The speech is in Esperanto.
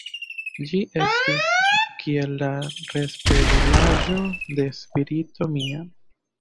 Ĝi estis kiel la respegulaĵo de spirito mia.